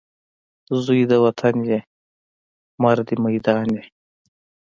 زوی د وطن یې ، مرد میدان یې